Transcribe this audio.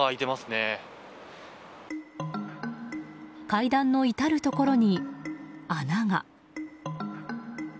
階段の至るところに穴が。